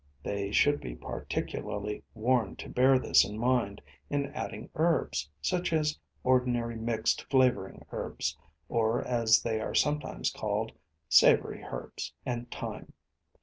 They should be particularly warned to bear this in mind in adding herbs, such as ordinary mixed flavouring herbs, or, as they are sometimes called, savoury herbs, and thyme.